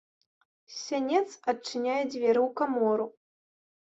З сянец адчыняе дзверы ў камору.